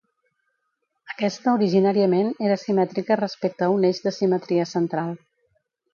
Aquesta originàriament era simètrica respecte a un eix de simetria central.